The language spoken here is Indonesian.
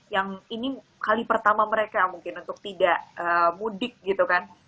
yang ini kali pertama mereka mungkin untuk tidak mudik gitu kan